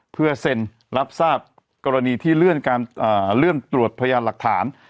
เพื่อเซ็นรับทราบกรณีที่เลื่อนการเลื่อนตรวจพยานหลักฐาน